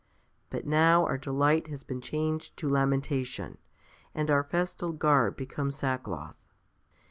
But now our delight has been changed to lamentation, and our festal garb become sackcloth.